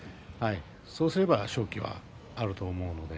そうすれば勝機はあると思うんで